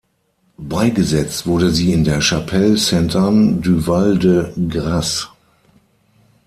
Beigesetzt wurde sie in der chapelle Sainte-Anne du Val-de-Grâce.